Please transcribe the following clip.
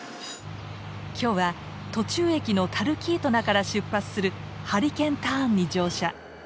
今日は途中駅のタルキートナから出発するハリケーンターンに乗車。